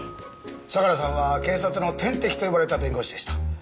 相良さんは警察の天敵と呼ばれた弁護士でした。